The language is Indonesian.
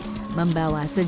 membawa sejumlah manfaat terbaik